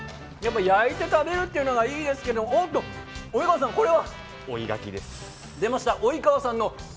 焼いて食べるというのがいいですけど、おっと、及川さん、これは追いがきです。